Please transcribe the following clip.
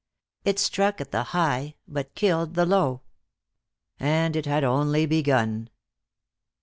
It struck at the high but killed the low. And it had only begun.